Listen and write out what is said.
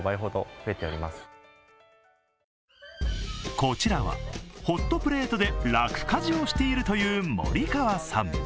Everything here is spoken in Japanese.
こちらはホットプレートで楽家事をしているという森川さん。